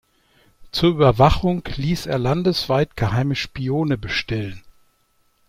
Zur Überwachung ließ er landesweit "geheime Spione bestellen".